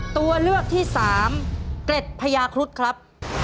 ตัวเลือกที่สามเกร็ดพญาครุฑครับ